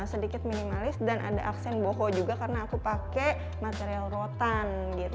dan sedikit minimalis dan ada aksen boho juga karena aku pakai material rotan gitu